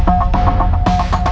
tapi kenapa gitu